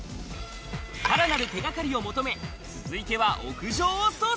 さらなる手がかりを求め、続いては屋上を捜査。